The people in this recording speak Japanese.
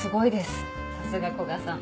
さすが古賀さん。